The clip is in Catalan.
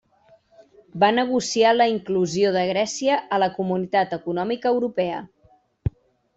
Va negociar la inclusió de Grècia a la Comunitat Econòmica Europea.